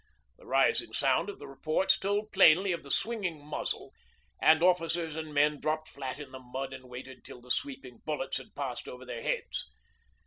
The rising sound of the reports told plainly of the swinging muzzle, and officers and men dropped flat in the mud and waited till the sweeping bullets had passed over their heads.